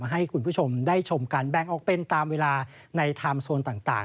ให้คุณผู้ชมได้ชมการแบ่งออกเป็นตามเวลาในไทม์โซนต่าง